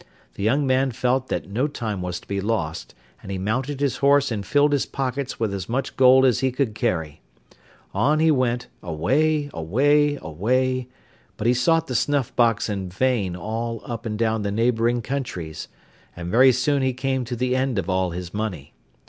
The young man felt that no time was to be lost, and he mounted his horse and filled his pockets with as much gold as he could carry. On he went, away, away, away, but he sought the snuff box in vain all up and down the neighbouring countries, and very soon he came to the end of all his money.